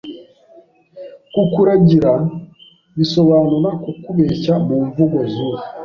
kukuragira bisobanura kukubeshya mumvugo zubu